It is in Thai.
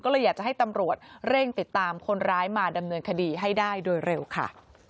ก็เลยอยากจะให้ตำรวจเร่งติดตามคนร้ายมาดำเนินคดีให้ได้โดยเร็วค่ะ